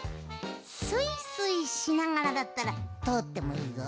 スイスイしながらだったらとおってもいいぞ。